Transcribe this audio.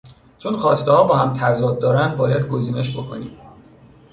چون خواستهها با هم تضاد دارند باید گزینش بکنیم.